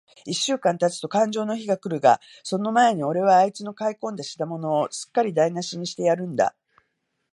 一週間たつとかんじょうの日が来るが、その前に、おれはあいつの買い込んだ品物を、すっかりだいなしにしてやるんだ。